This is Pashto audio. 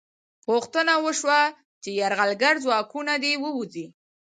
غوښتنه وشوه چې یرغلګر ځواکونه دې ووځي.